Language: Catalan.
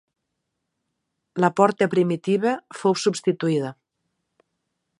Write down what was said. La porta primitiva fou substituïda.